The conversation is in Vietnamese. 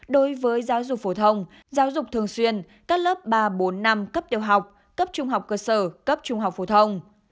đối với giáo dục phổ thông giáo dục thường xuyên các lớp ba bốn năm cấp tiểu học cấp trung học cơ sở cấp trung học phổ thông